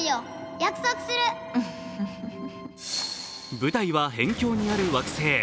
舞台は辺境にある惑星。